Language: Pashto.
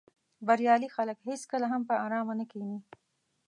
بریالي خلک هېڅکله هم په آرامه نه کیني.